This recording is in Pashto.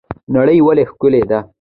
نړۍ ولې ښکلې ده؟